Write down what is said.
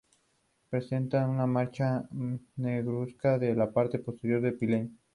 Estudió Filosofía y Teología en la Universidad de Alcalá.